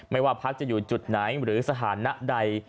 ว่าพักจะอยู่จุดไหนหรือสถานะใด